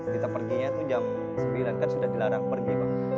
kita perginya itu jam sembilan kan sudah dilarang pergi